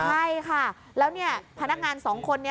ใช่ค่ะแล้วพนักงาน๒คนนี้